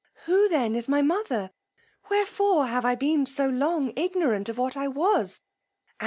Who then is my mother! Wherefore have I been so long ignorant of what I was!